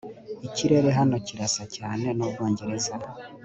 Ikirere hano kirasa cyane nUbwongereza